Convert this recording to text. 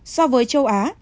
so với châu á